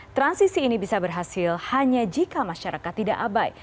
transisi ini bisa berhasil hanya jika masyarakat tidak abai